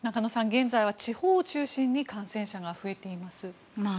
現在は地方を中心に感染者が増えています。